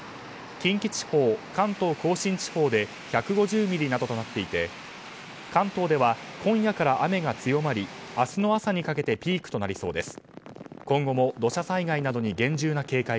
近畿地方、関東・甲信地方で１５０ミリなどとなっていて関東では今夜から雨が強まり明日の朝にかけてピークとなりそうです。